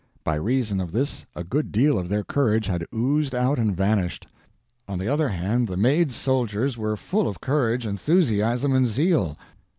By reason of this a good deal of their courage had oozed out and vanished. On the other hand, the Maid's soldiers were full of courage, enthusiasm, and zeal.